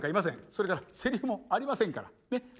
それからセリフもありませんから。ね？